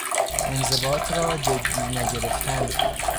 انضباط را جدی نگرفتن